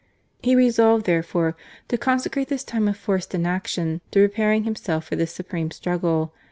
He resolved therefore to consecrate this time of forced inaction to preparing himself for this supreme struggle.